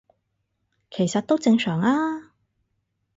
其實都正常吖